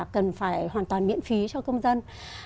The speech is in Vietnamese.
cần phải hoàn toàn miễn phí cho công dân